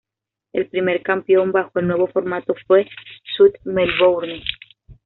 El primer campeón bajo el nuevo formato fue South Melbourne.